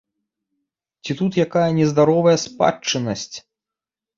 Ці тут якая нездаровая спадчыннасць?